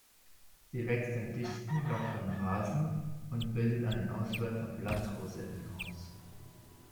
Sie wächst in dichten lockeren Rasen und bildet an den Ausläufern Blattrosetten aus.